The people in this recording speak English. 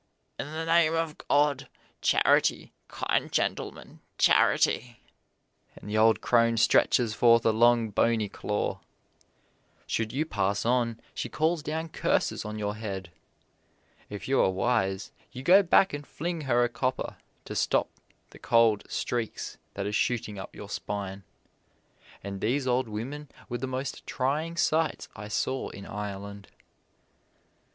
"In the name of God, charity, kind gentlemen, charity!" and the old crone stretches forth a long, bony claw. Should you pass on she calls down curses on your head. If you are wise, you go back and fling her a copper to stop the cold streaks that are shooting up your spine. And these old women were the most trying sights I saw in Ireland.